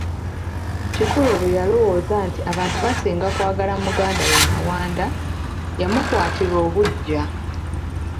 Kikulwe bwe yalowooza nti abantu basinga kwagala muganda we Mawanda, yamukwatirwa obuggya.